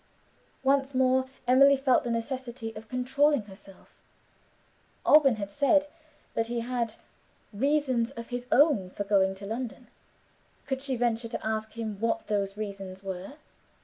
Once more, Emily felt the necessity of controlling herself. Alban had said that he had "reasons of his own for going to London." Could she venture to ask him what those reasons were?